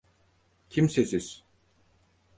Kimsesiz.